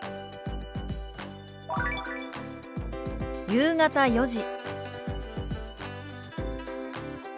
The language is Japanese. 「夕方４時」。